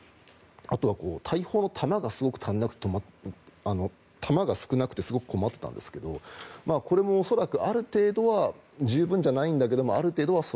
あとは大砲の弾がすごく足りなくてすごく困っていたんですがこれも恐らくある程度は十分じゃないけれども届いたと。